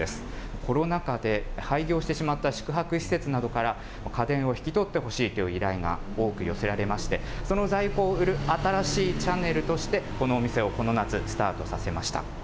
コロナ禍で、廃業してしまった宿泊施設などから家電を引き取ってほしいという依頼が多く寄せられまして、その在庫を売る新しいチャネルとして、このお店をこの夏、スタートさせました。